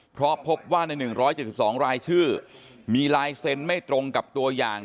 เพราะพบว่าใน๑๗๒รายชื่อมีลายเซ็นต์ไม่ตรงกับตัวอย่าง